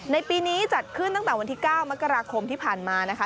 ในปีนี้จัดขึ้นตั้งแต่วันที่๙มกราคมที่ผ่านมานะคะ